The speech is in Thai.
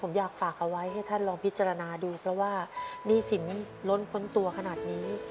ผมอยากฝากเอาไว้ให้ท่านลองพิจารณาดูเพราะว่าหนี้สินล้นพ้นตัวขนาดนี้